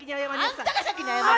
あんたが先に謝り。